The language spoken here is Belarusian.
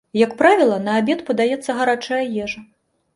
Як правіла на абед падаецца гарачая ежа.